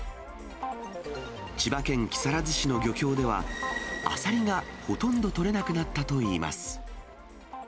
千葉県木更津市の漁協では、アサリがほとんど取れなくなったといいます。